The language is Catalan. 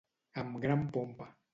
Amb gran pompa.